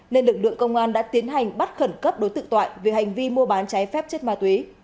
nên lực lượng công an đã tiến hành bắt khẩn cấp đối tượng toại về hành vi mua bán trái phép chất ma túy